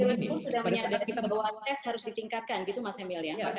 pada saat kita menambahkan tes harus ditingkatkan gitu mas emil ya